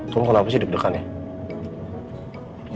kamu kenapa sih diperdekan ya